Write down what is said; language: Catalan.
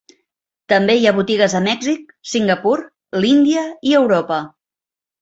També hi ha botigues a Mèxic, Singapur, l'Índia i Europa.